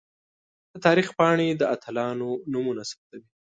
د تاریخ پاڼې د اتلانو نومونه ثبتوي.